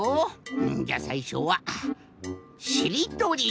うんじゃあさいしょは「しりとり」。